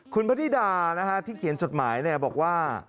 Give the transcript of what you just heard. คุณพนิดาที่เขียนจดหมายบอกว่า